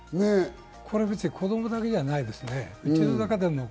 これは子供だけじゃないですね。